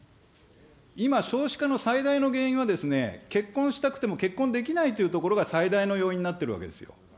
今、少子化の最大の原因は、結婚したくても結婚できないというところが、最大の要因になっているわけですよ。